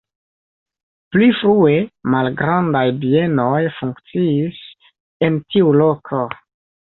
Pli frue malgrandaj bienoj funkciis en tiu loko.